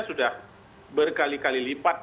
sudah berkali kali lipat